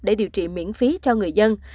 để điều trị miễn phí cho người dân